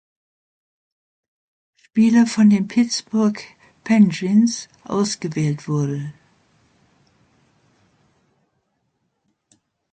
Spieler von den Pittsburgh Penguins ausgewählt wurde.